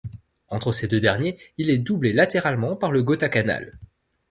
Entre ces deux derniers il est doublé latéralement par le Göta kanal.